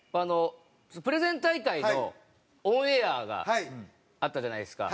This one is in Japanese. プレゼン大会のオンエアがあったじゃないですか。